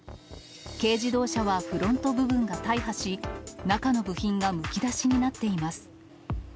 軽自動車はフロント部分が大破し、中の部品がむき出しになっています。